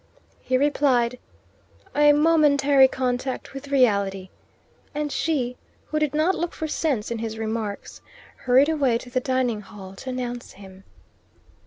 He replied, "A momentary contact with reality," and she, who did not look for sense in his remarks, hurried away to the dining hall to announce him.